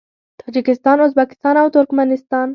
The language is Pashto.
تاجکستان، ازبکستان او ترکمنستان